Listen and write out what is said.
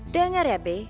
dengar ya be